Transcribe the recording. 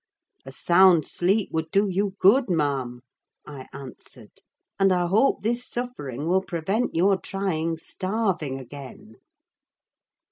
"A sound sleep would do you good, ma'am," I answered: "and I hope this suffering will prevent your trying starving again."